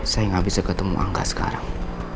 saya gak bisa ketemu angga sekarang